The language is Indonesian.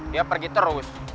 dia pergi terus